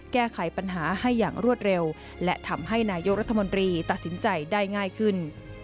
แก้ไขปัญหาให้อย่างรวดเร็วและทำให้นายกรัฐมนตรีตัดสินใจได้ง่ายขึ้น